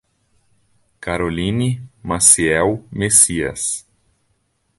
Caroline Maciel Messias